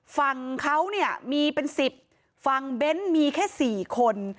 ฝั่งเขามีเป็น๑๐ฝั่งเบ้นท์มีแค่๔คน